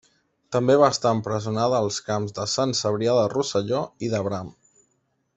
També va estar empresonada als camps de Sant Cebrià de Rosselló i de Bram.